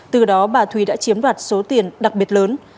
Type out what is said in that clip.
từ đó bà thúy đã chiếm đoạt số tiền đặc biệt lớn